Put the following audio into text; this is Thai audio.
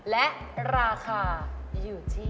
และราคาอยู่ที่